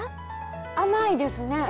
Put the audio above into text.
甘いですね。